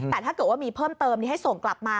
แต่ถ้าเกิดว่ามีเพิ่มเติมนี้ให้ส่งกลับมา